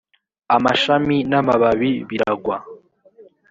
amashami n amababi biragwa